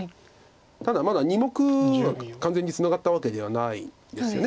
ただまだ２目が完全にツナがったわけではないですよね。